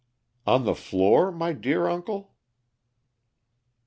"On the floor, my dear uncle?"